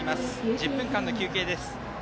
１０分間の休憩です。